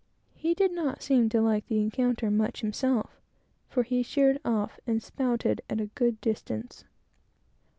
He did not seem to like the encounter much himself, for he sheered off, and spouted at a good distance.